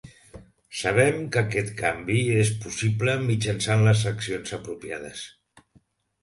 Sabem que aquest canvi és possible mitjançant les accions apropiades.